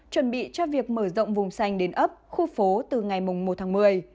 chuẩn bị cho việc mở rộng vùng xanh đến ấp khu phố từ ngày một tháng một mươi